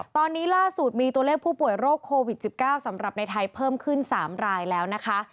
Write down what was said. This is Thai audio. ตอนนี้ล่าสุดมีตัวเลขผู้ป่วยโรคโควิด๑๙สำหรับในไทยเพิ่มขึ้น๓รายแล้วนะคะ